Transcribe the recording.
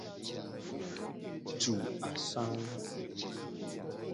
Tu asangu.